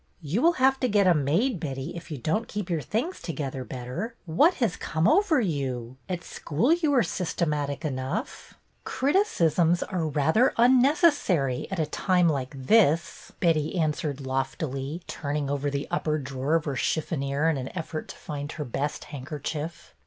You will have to get a maid, Betty, if you don't keep your things together better. What has come over you? At school you were sys teniatic enough." 272 BETTY BAIRD'S VENTURES '' Criticisms are rather unnecessary at a time like this/' Betty answered loftily, turning over the upper drawer of her chiffonniere in an effort to find her best handkerchief.